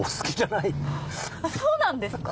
あっそうなんですか！？